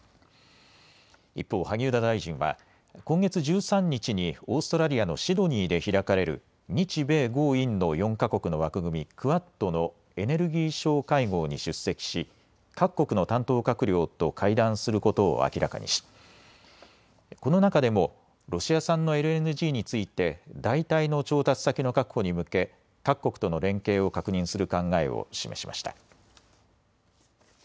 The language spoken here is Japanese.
一方、萩生田大臣は今月１３日にオーストラリアのシドニーで開かれる日米豪印の４か国の枠組み、クアッドのエネルギー相会合に出席し各国の担当閣僚と会談することを明らかにしこの中でもロシア産のＬＮＧについて代替の調達先の確保に向け各国との連携を確認する考えを示しました。